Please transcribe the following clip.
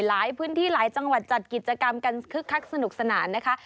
หลายพื้นที่หลายจังหวัดจัดกิจกรรมกันคึกคักสนุกสนานนะคะ